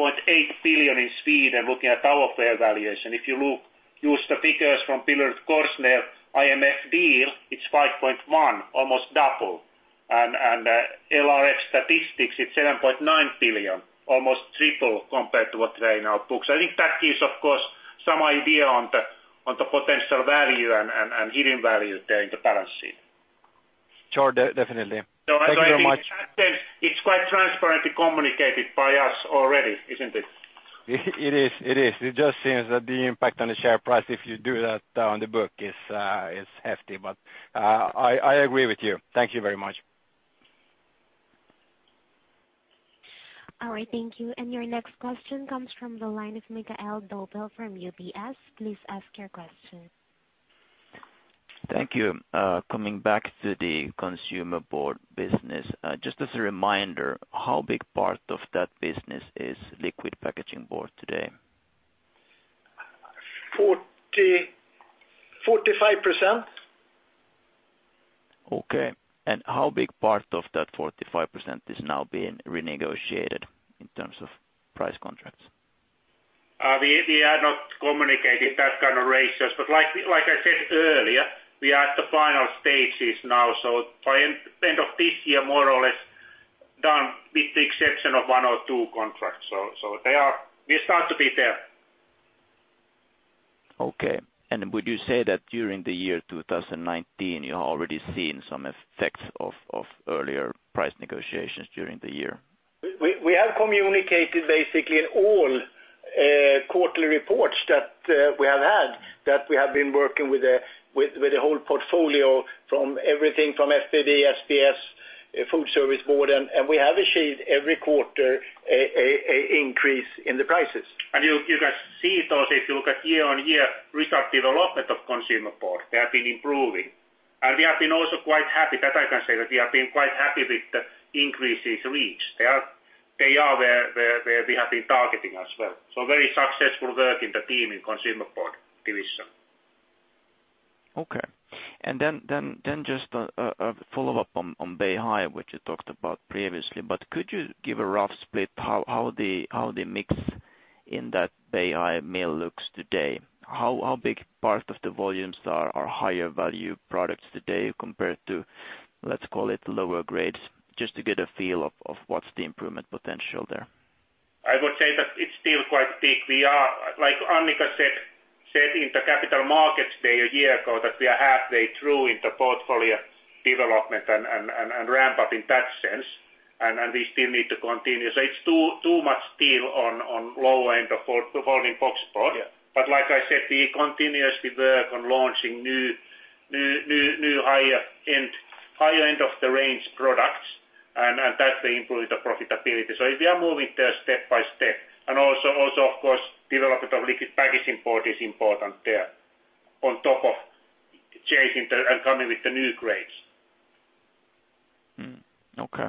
billion in Sweden looking at our fair valuation. If you use the figures from BillerudKorsnäs AMF deal, it's 5.1 billion, almost double. LRF statistics, it's 7.9 billion, almost triple compared to what they now book. I think that gives, of course, some idea on the potential value and hidden value there in the balance sheet. Sure, definitely. Thank you very much. I think in that sense, it's quite transparently communicated by us already, isn't it? It is. It just seems that the impact on the share price, if you do that on the book is hefty. I agree with you. Thank you very much. All right, thank you. Your next question comes from the line of Mikael Doepel from UBS. Please ask your question. Thank you. Coming back to the consumer board business. Just as a reminder, how big part of that business is liquid packaging board today? 45%. Okay. How big part of that 45% is now being renegotiated in terms of price contracts? We are not communicating that kind of ratios, but like I said earlier, we are at the final stages now. By end of this year, more or less done with the exception of one or two contracts. We start to be there. Okay. Would you say that during the year 2019, you have already seen some effects of earlier price negotiations during the year? We have communicated basically in all quarterly reports that we have had, that we have been working with the whole portfolio from everything from FBB, SBS, Food Service Board, we have achieved every quarter a increase in the prices. You can see those if you look at year-over-year result development of consumer board. They have been improving. We have been also quite happy that I can say that we have been quite happy with the increases reached. They are where we have been targeting as well. Very successful work in the team in consumer board division. Okay. Just a follow-up on Beihai, which you talked about previously, but could you give a rough split how the mix in that Beihai Mill looks today? How big part of the volumes are higher value products today compared to, let's call it lower grades? Just to get a feel of what's the improvement potential there. I would say that it's still quite big. We are, like Annica said, in the Capital Markets Day a year ago, that we are halfway through in the portfolio development and ramp up in that sense, and we still need to continue. It's too much still on low end of the volume boxboard. Yeah. Like I said, we continuously work on launching new higher end of the range products, and that will improve the profitability. We are moving there step by step, and also of course, development of liquid packaging board is important there, on top of changing and coming with the new grades. Okay.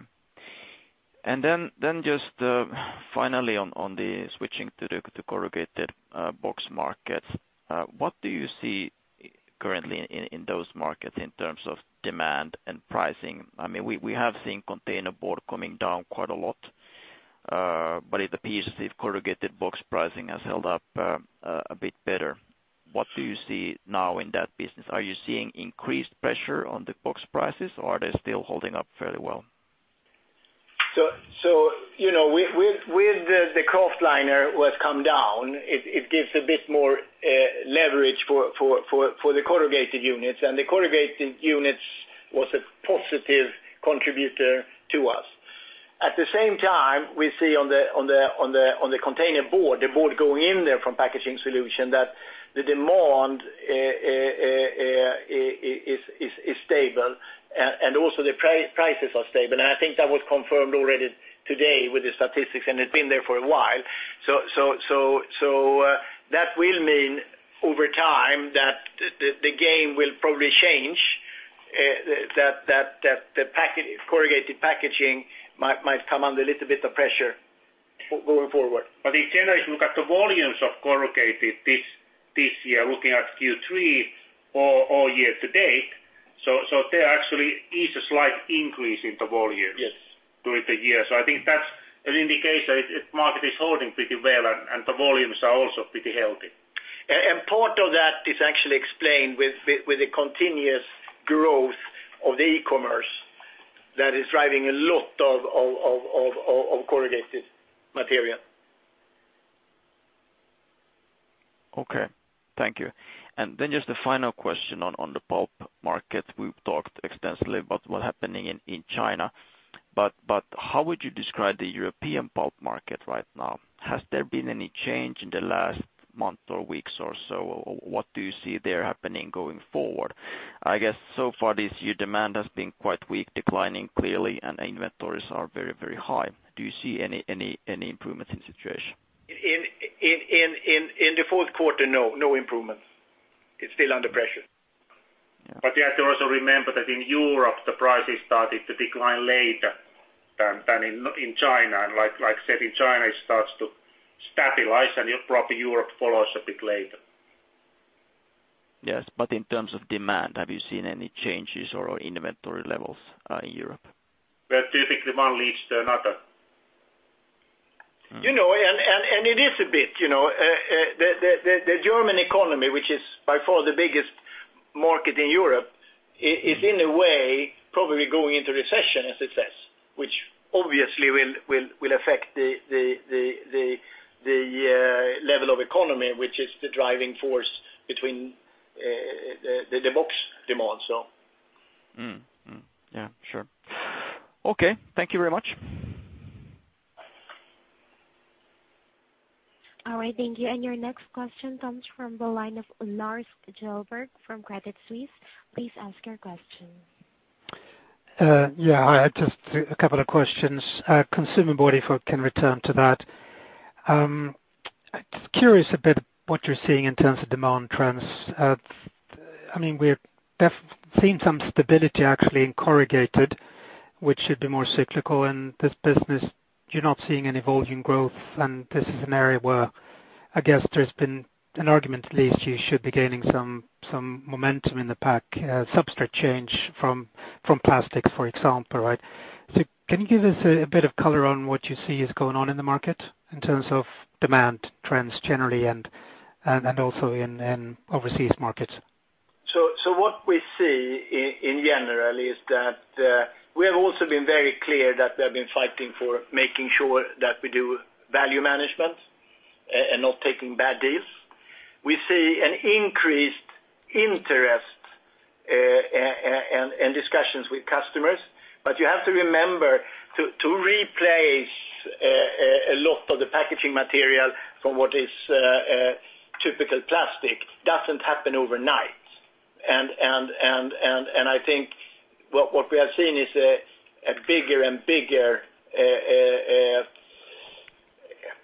Just finally on the switching to corrugated box markets, what do you see currently in those markets in terms of demand and pricing? We have seen containerboard coming down quite a lot, it appears as if corrugated box pricing has held up a bit better. What do you see now in that business? Are you seeing increased pressure on the box prices, or are they still holding up fairly well? With the kraftliner, what's come down, it gives a bit more leverage for the corrugated units, and the corrugated units was a positive contributor to us. At the same time, we see on the containerboard, the board going in there from Packaging Solutions, that the demand is stable and also the prices are stable. I think that was confirmed already today with the statistics, and it's been there for a while. That will mean over time that the game will probably change, that the corrugated packaging might come under a little bit of pressure going forward. In general, if you look at the volumes of corrugated this year, looking at Q3 or year to date, there actually is a slight increase in the volumes. Yes during the year. I think that's an indication the market is holding pretty well and the volumes are also pretty healthy. Part of that is actually explained with the continuous growth of the e-commerce that is driving a lot of corrugated material. Okay. Thank you. Then just a final question on the pulp market. We've talked extensively about what happening in China. How would you describe the European pulp market right now? Has there been any change in the last month or weeks or so, or what do you see there happening going forward? I guess so far this year, demand has been quite weak, declining clearly, and inventories are very, very high. Do you see any improvements in situation? In the fourth quarter, no improvements. It's still under pressure. Yeah. You have to also remember that in Europe, the prices started to decline later than in China. Like I said, in China, it starts to stabilize and probably Europe follows a bit later. Yes, in terms of demand, have you seen any changes or inventory levels in Europe? Well, typically one leads to another. It is a bit. The German economy, which is by far the biggest market in Europe, is in a way probably going into recession, as it says, which obviously will affect the level of economy, which is the driving force between the box demand. Yeah, sure. Okay. Thank you very much. All right. Thank you. Your next question comes from the line of Lars Kjellberg from Credit Suisse. Please ask your question. Yeah, hi. Just a couple of questions. Consumer board, if we can return to that. Curious a bit what you're seeing in terms of demand trends. We've seen some stability actually in corrugated, which should be more cyclical in this business. You're not seeing any volume growth, and this is an area where I guess there's been an argument at least you should be gaining some momentum in the pack, substrate change from plastics, for example, right? Can you give us a bit of color on what you see is going on in the market in terms of demand trends generally and also in overseas markets? What we see in general is that we have also been very clear that we have been fighting for making sure that we do value management and not taking bad deals. We see an increased interest and discussions with customers, but you have to remember to replace a lot of the packaging material from what is typical plastic doesn't happen overnight. I think what we are seeing is a bigger and bigger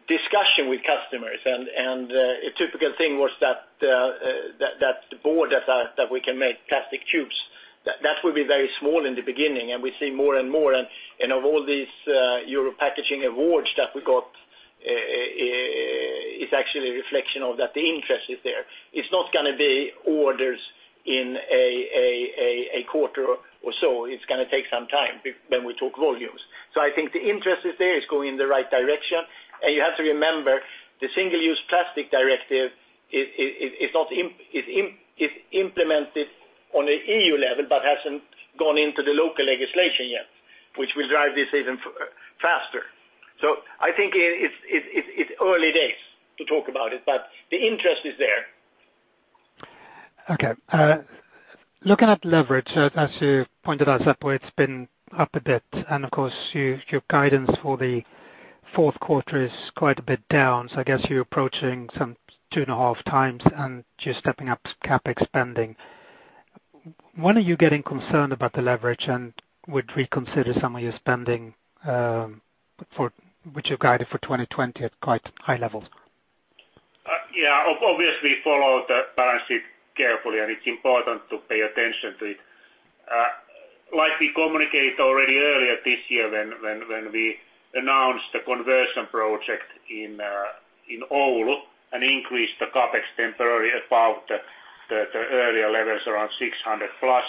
discussion with customers. A typical thing was that the board that we can make plastic tubes, that will be very small in the beginning, and we see more and more. Of all these Euro Packaging Awards that we got, it's actually a reflection of that the interest is there. It's not going to be orders in a quarter or so. It's going to take some time when we talk volumes. I think the interest is there, it's going in the right direction. You have to remember, the Single-Use Plastics Directive is implemented on an EU level but hasn't gone into the local legislation yet, which will drive this even faster. I think it's early days to talk about it, but the interest is there. Okay. Looking at leverage, as you pointed out, Seppo, it's been up a bit, and of course your guidance for the fourth quarter is quite a bit down. I guess you're approaching some two and a half times and just stepping up CapEx spending. When are you getting concerned about the leverage and would reconsider some of your spending which you've guided for 2020 at quite high levels? Yeah. Obviously, we follow the balance sheet carefully, and it's important to pay attention to it. Like we communicated already earlier this year when we announced the conversion project in Oulu and increased the CapEx temporarily above the earlier levels, around 600 plus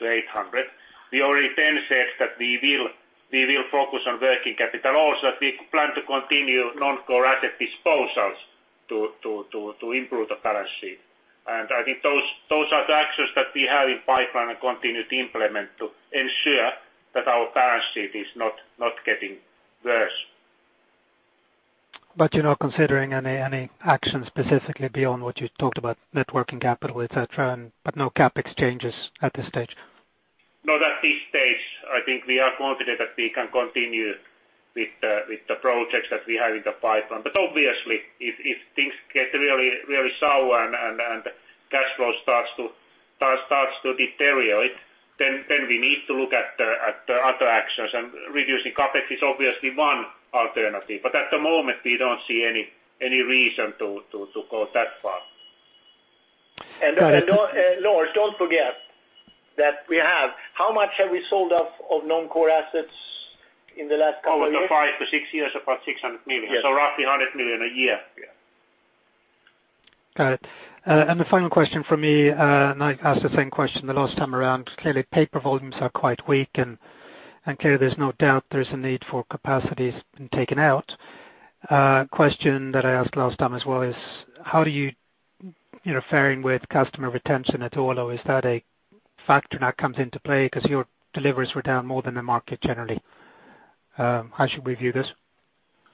to 800. We already then said that we will focus on working capital also, we plan to continue non-core asset disposals to improve the balance sheet. I think those are the actions that we have in pipeline and continue to implement to ensure that our balance sheet is not getting worse. You're not considering any actions specifically beyond what you talked about, networking capital, et cetera, but no CapEx changes at this stage? Not at this stage. I think we are confident that we can continue with the projects that we have in the pipeline. Obviously, if things get really sour and cash flow starts to deteriorate, then we need to look at other actions, and reducing CapEx is obviously one alternative. At the moment, we don't see any reason to go that far. Lars, don't forget How much have we sold off of non-core assets in the last couple of years? Over the five to six years, about 600 million. Yes. roughly 100 million a year. Got it. The final question from me, I asked the same question the last time around, because clearly paper volumes are quite weak, and clearly there's no doubt there's a need for capacities being taken out. Question that I asked last time as well is, how are you faring with customer retention at all? Is that a factor now comes into play because your deliveries were down more than the market generally? How should we view this?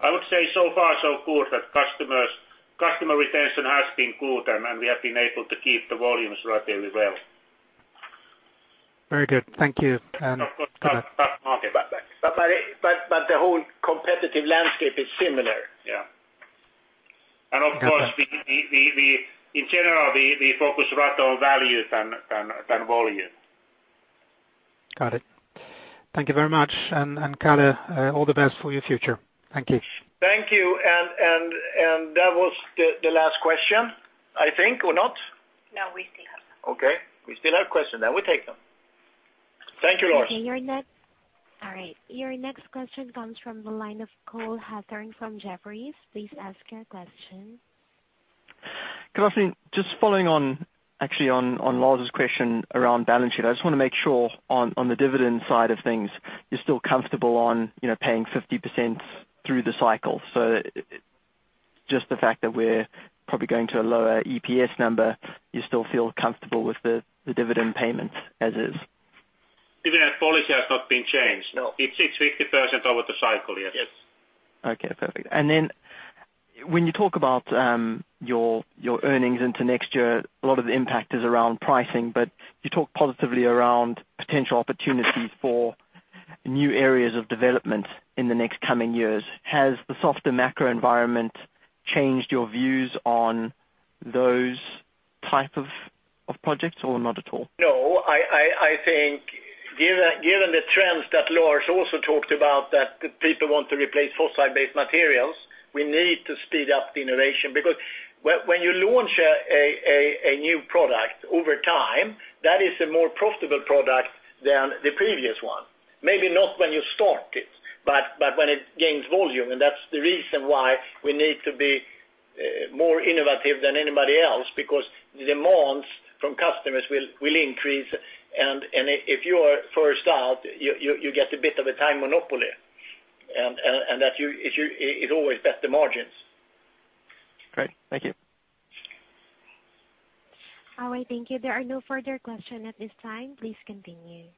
I would say so far so good, that customer retention has been good, and we have been able to keep the volumes relatively well. Very good. Thank you. The whole competitive landscape is similar. Yeah. Of course, in general, we focus right on value than volume. Got it. Thank you very much. Kalle, all the best for your future. Thank you. Thank you. That was the last question, I think, or not? No, we still have. Okay. We still have questions, then we take them. Thank you, Lars. Okay. All right. Your next question comes from the line of Cole Hathorn from Jefferies. Please ask your question. Good afternoon. Just following on, actually, on Lars's question around balance sheet. I just want to make sure on the dividend side of things, you're still comfortable on paying 50% through the cycle. Just the fact that we're probably going to a lower EPS number, you still feel comfortable with the dividend payments as is? Dividend policy has not been changed. No. It's 50% over the cycle, yes. Yes. Okay, perfect. When you talk about your earnings into next year, a lot of the impact is around pricing, but you talk positively around potential opportunities for new areas of development in the next coming years. Has the softer macro environment changed your views on those type of projects or not at all? No. I think given the trends that Lars also talked about, that people want to replace fossil-based materials, we need to speed up the innovation. When you launch a new product over time, that is a more profitable product than the previous one. Maybe not when you start it, but when it gains volume. That's the reason why we need to be more innovative than anybody else, because demands from customers will increase, and if you are first out, you get a bit of a time monopoly, and it always bets the margins. Great. Thank you. All right. Thank you. There are no further questions at this time. Please continue.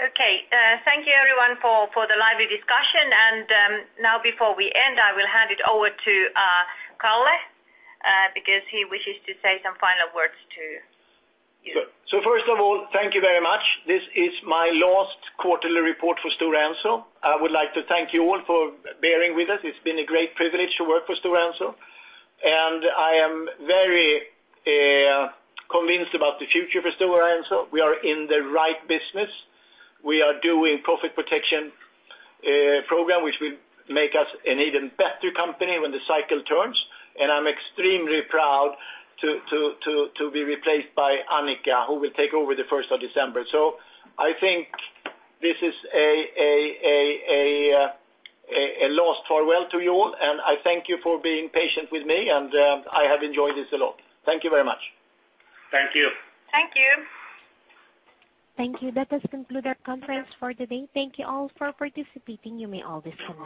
Okay. Thank you everyone for the lively discussion. Now before we end, I will hand it over to Kalle because he wishes to say some final words too. First of all, thank you very much. This is my last quarterly report for Stora Enso. I would like to thank you all for bearing with us. It's been a great privilege to work for Stora Enso, and I am very convinced about the future for Stora Enso. We are in the right business. We are doing Profit Protection Programme, which will make us an even better company when the cycle turns. I'm extremely proud to be replaced by Annica, who will take over the 1st of December. I think this is a last farewell to you all, and I thank you for being patient with me, and I have enjoyed this a lot. Thank you very much. Thank you. Thank you. Thank you. That does conclude our conference for today. Thank you all for participating. You may all disconnect.